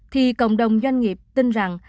thì cộng đồng doanh nghiệp tin rằng